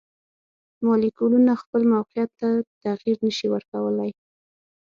مالیکولونه خپل موقیعت ته تغیر نشي ورکولی.